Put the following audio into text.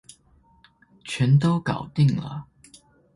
全都搞定了